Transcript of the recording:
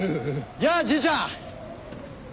やあじいちゃん！